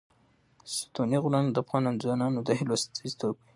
ستوني غرونه د افغان ځوانانو د هیلو استازیتوب کوي.